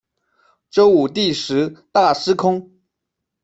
周武帝时大司空。